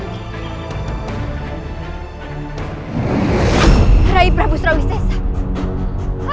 rai prabu sarawit sesa